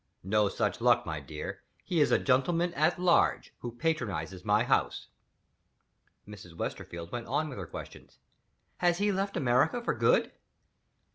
"No such luck, my dear; he is a gentleman at large, who patronizes my house." Mrs. Westerfield went on with her questions. "Has he left America for good?"